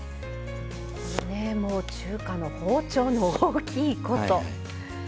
このねもう中華の包丁の大きいこと。